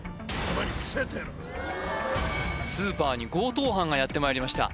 スーパーに強盗犯がやってまいりました